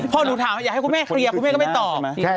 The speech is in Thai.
พอหนูถามอยากให้คุณแม่เคลียร์คุณแม่ก็ไม่ตอบ